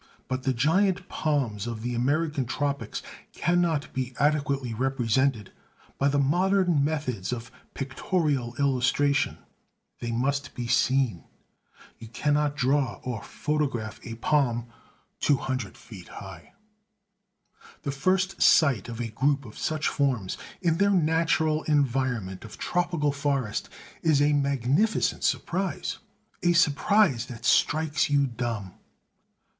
But the giant palms of the American tropics cannot be adequately represented by the modern methods of pictorial illustration: they must be seen. You cannot draw or photograph a palm two hundred feet high. The first sight of a group of such forms, in their natural environment of tropical forest, is a magnificent surprise, a surprise that strikes you dumb.